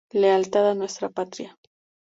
Lealtad a nuestra patria.